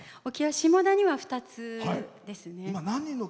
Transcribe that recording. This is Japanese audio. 下田には２つですね。